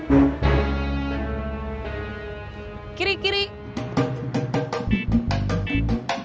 bukan mau jual tanah